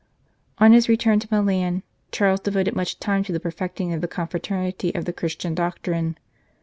On his return to Milan, Charles devoted much time to the perfecting of the Confraternity of the Christian Doctrine.